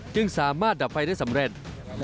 จึงสามารถดับไฟได้สำเร็จ